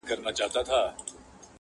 داسي آثار پرېښودل -